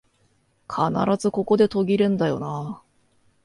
必ずここで途切れんだよなあ